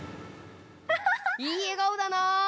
◆いい笑顔だな。